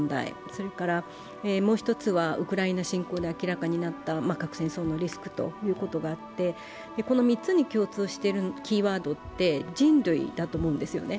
それからもう１つはウクライナ侵攻で明らかになった戦争のリスクというのがあって、この３つに共通しているキーワードって人類だと思うんですね。